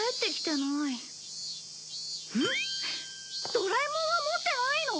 ドラえもんは持ってないの？